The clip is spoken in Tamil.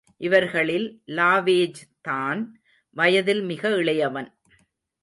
இவர்களில் லாவேஜ்தான் வயதில் மிக இளையவன்.